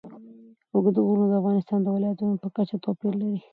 اوږده غرونه د افغانستان د ولایاتو په کچه توپیر لري.